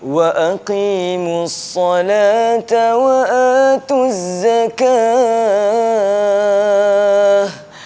wa aqimu as salat wa atu al zakah